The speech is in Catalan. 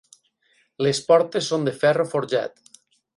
Les portes són de ferro forjat.